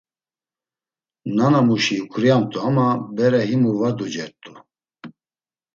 Nanamuşi uǩriamt̆u ama bere himu va ducert̆u.